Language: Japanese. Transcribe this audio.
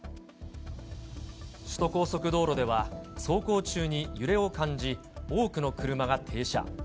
首都高速道路では走行中に揺れを感じ、多くの車が停車。